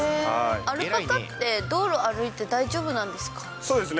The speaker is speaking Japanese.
アルパカって、道路歩いて大そうですね。